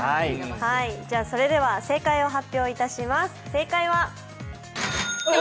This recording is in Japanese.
それでは正解を発表いたします。